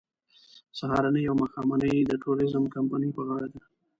سهارنۍ او ماښامنۍ د ټوریزم کمپنۍ په غاړه ده.